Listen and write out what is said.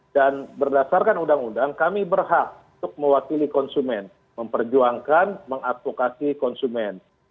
dan berdasarkan undang undang kami berhak untuk mewakili konsumen memperjuangkan mengadvokasi konsumen